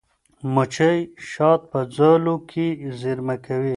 مچۍ شات په ځالو کې زېرمه کوي.